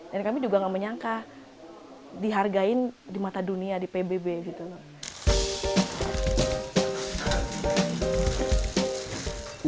dan kami juga nggak menyangka dihargai di mata dunia di pbb gitu loh